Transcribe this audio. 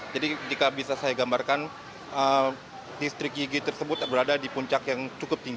jadi jika bisa saya gambarkan distrik igi tersebut berada di puncak yang cukup